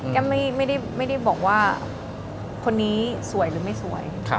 ไม่ได้บอกว่าคนนี้สวยหรือไม่สวย